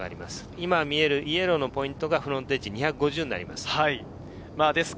今、見えるイエローのポイントがフロントエッジ、２５０になります。